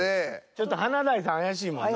ちょっと華大さん怪しいもんな。